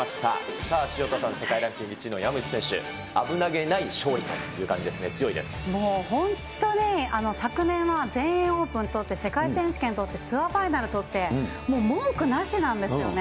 さあ、潮田さん、世界ランク１位の山口選手、危なげない勝利といもう本当に、昨年は全英オープン取って、世界選手権とって、ツアーファイナル取って、もう文句なしなんですよね。